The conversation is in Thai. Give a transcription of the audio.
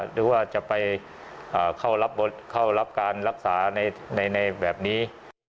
หรือว่าจะไปเข้ารับบทเข้ารับการรักษาในแบบนี้